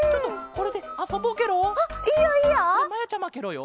これまやちゃまケロよ。